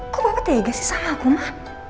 kok bapak tegas sih sama aku ma